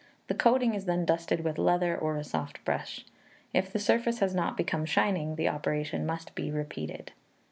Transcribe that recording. The coating is then dusted with leather, or a soft brush. If the surface has not become shining, the operation must be repeated.